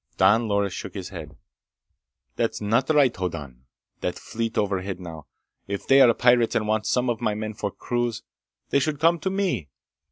Don Loris shook his head. "That's not right, Hoddan! That fleet overhead, now. If they are pirates and want some of my men for crews, they should come to me!